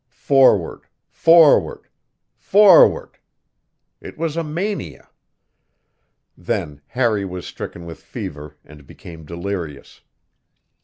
Forward forward forward! It was a mania. Then Harry was stricken with fever and became delirious.